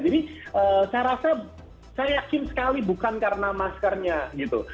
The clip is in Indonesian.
jadi saya rasa saya yakin sekali bukan karena maskernya gitu